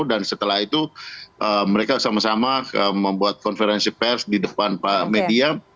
dan setelah itu mereka sama sama membuat konferensi pers di depan media